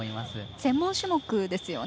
専門種目ですよね。